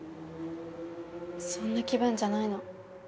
そんな気分じゃないの。